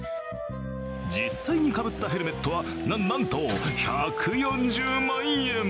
実際にかぶったヘルメットはな、なんと１４０万円！